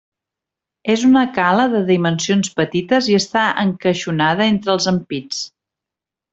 És una cala de dimensions petites i està encaixonada entre els empits.